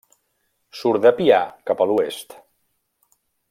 Surt de Pià cap a l'oest.